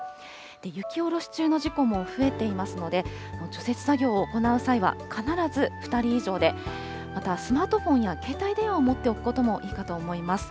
雪下ろし中の事故も増えていますので、除雪作業を行う際は必ず２人以上で、またスマートフォンや携帯電話を持っておくこともいいかと思います。